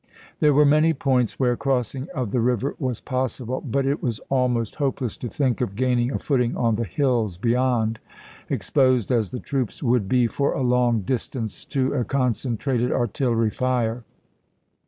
There were many points where pfnei' crossing of the river was possible, but it was almost hopeless to think of gaining a footing on the hills beyond, exposed as the troops would be for a long distance to a concentrated artillery fire.